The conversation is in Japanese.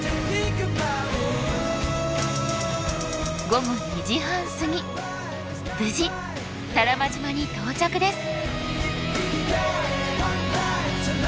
午後２時半過ぎ無事多良間島に到着です。